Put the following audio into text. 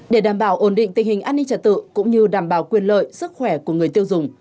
để đảm bảo ổn định tình hình an ninh trật tự cũng như đảm bảo quyền lợi sức khỏe của người tiêu dùng